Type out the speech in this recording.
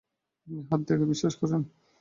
আপনি হাত দেখায় বিশ্বাস করেন?